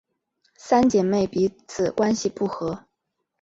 三姐妹彼此关系不和。